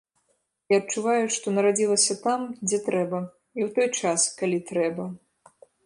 І адчуваю, што нарадзілася там, дзе трэба і ў той час, калі трэба.